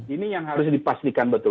ini yang harus dipastikan betul